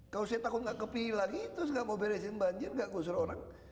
kalau saya takut gak kepilih lagi terus gak mau beresin banjir gak kusur orang